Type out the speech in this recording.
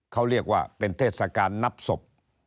เขาเรียกว่าเป็นเทศกาลนับศพ